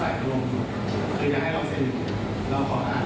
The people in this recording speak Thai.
เราขออาหารอย่างไรก็ได้ครับ